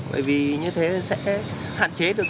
bởi vì như thế sẽ hạn chế được